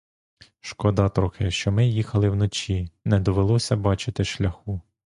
Шкода трохи, що ми їхали вночі: не довелося бачити шляху.